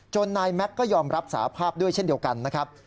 นายแม็กซ์ก็ยอมรับสาภาพด้วยเช่นเดียวกันนะครับ